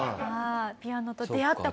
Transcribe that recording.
ピアノと出会った事から。